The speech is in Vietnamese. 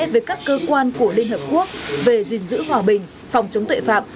với các cơ quan của liên hợp quốc về gìn giữ hòa bình phòng chống tội phạm